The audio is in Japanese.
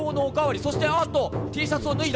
そして、あーっと、Ｔシャツを脱いだ。